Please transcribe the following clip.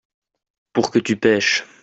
pour que tu pêches.